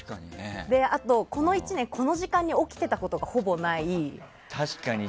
あと、この１年この時間に起きてたことが確かに「ＺＩＰ！」